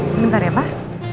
sebentar ya mbak